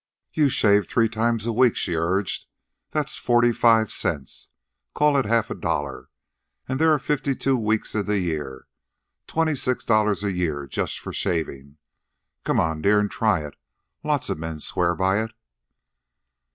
"You shave three times a week," she urged. "That's forty five cents. Call it half a dollar, and there are fifty two weeks in the year. Twenty six dollars a year just for shaving. Come on, dear, and try it. Lots of men swear by it."